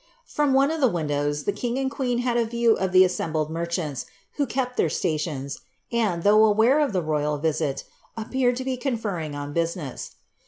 From one of the windows, the king and queen had a view of the assembled merchants, who kept their stations, and, though aware of the royal visit, appeared to be conferring on business.